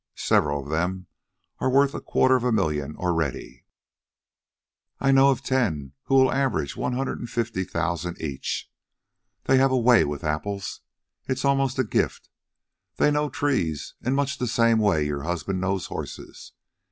Several of them are worth a quarter of a million already. I know ten of them who will average one hundred and fifty thousand each. They have a WAY with apples. It's almost a gift. They KNOW trees in much the same way your husband knows horses.